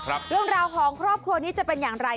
เรื่องราวของครอบครัวนี้จะเป็นอย่างไร